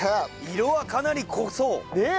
色はかなり濃そう！